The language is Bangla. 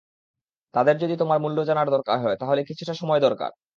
তাদের যদি তোমার মূল্য জানার দরকার হয় তাহলে কিছুটা সময় দরকার।